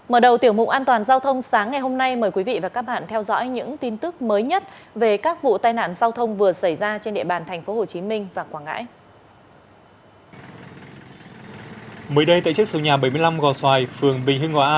mới đây tại chức số nhà bảy mươi năm gò xoài phường bình hưng ngoà a